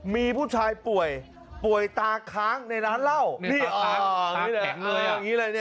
มีผู้ชายป่วยป่วยตาก็ค้างในร้านเหล้านี่เออนี่แหละ